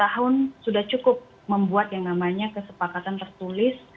maka concrete deliverable itu sudah cukup membuat kesepakatan tertulis